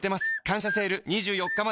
「感謝セール」２４日まで